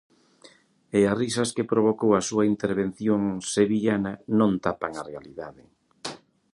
E as risas que provocou a súa intervención sevillana non tapan a realidade.